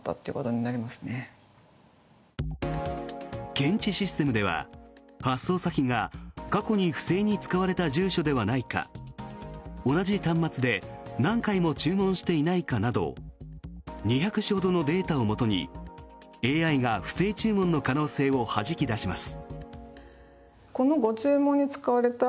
検知システムでは、発送先が過去に不正に使われた住所ではないか同じ端末で何回も注文していないかなど２００種ほどのデータをもとにＡＩが不正注文の可能性をはじき出します。